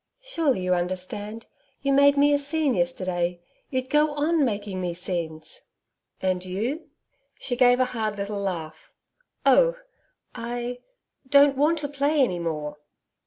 'Surely you understand. You made me a scene yesterday. You'd go on making me scenes.' 'And you?' She gave a hard little laugh. 'Oh! I don't want to play any more.'